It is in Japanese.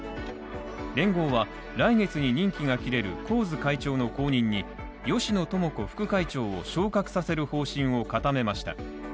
連合は来月に任期が切れる神津会長の後任に芳野友子副会長を昇格させる方針を固めました。